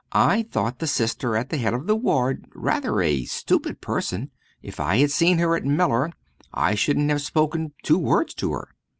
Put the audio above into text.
I thought the Sister at the head of the ward rather a stupid person. If I had seen her at Mellor I shouldn't have spoken two words to her.